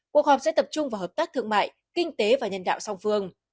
cuộc họp sẽ tập trung vào hợp tác thương mại kinh tế và nhân đạo song phương